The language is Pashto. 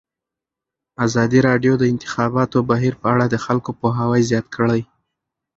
ازادي راډیو د د انتخاباتو بهیر په اړه د خلکو پوهاوی زیات کړی.